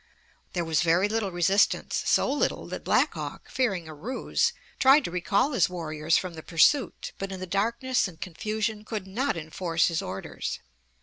There was very little resistance so little that Black Hawk, fearing a ruse, tried to recall his warriors from the pursuit, but in the darkness and confusion could not enforce his orders.